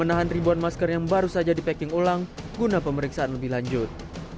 menahan ribuan masker yang baru saja di packing ulang guna pemeriksaan lebih lanjut